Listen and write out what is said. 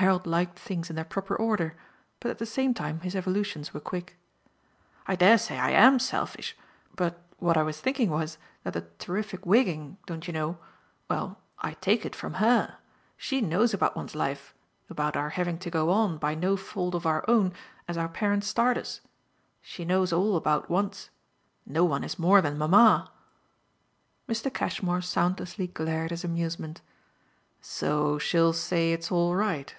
Harold liked things in their proper order; but at the same time his evolutions were quick. "I dare say I AM selfish, but what I was thinking was that the terrific wigging, don't you know? well, I'd take it from HER. She knows about one's life about our having to go on, by no fault of our own, as our parents start us. She knows all about wants no one has more than mamma." Mr. Cashmore soundlessly glared his amusement. "So she'll say it's all right?"